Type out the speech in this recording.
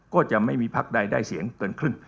ก็จะไม่มีพักใดได้เสียงเกินครึ่ง